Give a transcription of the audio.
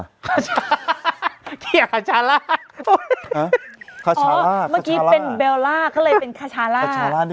มักกี้เป็นเบลล่าเขาก็เลยเป็นขาชาร่า